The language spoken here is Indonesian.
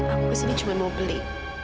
aku kesini cuma mau beli